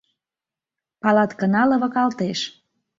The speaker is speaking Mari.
Палаткына лывыкалтеш.